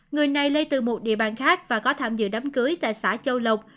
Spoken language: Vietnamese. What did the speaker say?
người này lây từ một địa bàn khác và có tham dự đám cưới tại xã châu lộc